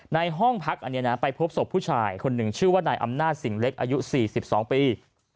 ในห้องพักอันนี้นะไปพบศพผู้ชายคนหนึ่งชื่อว่านายอำนาจสิ่งเล็กอายุ๔๒ปี